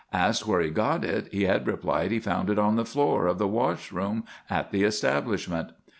Asked where he got it, he had replied he found it on the floor of the washroom at the establishment.